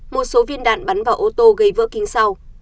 một số viên đạn bắn vào ô tô gây vỡ kính sau